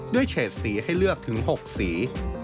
เฉดสีให้เลือกถึง๖สี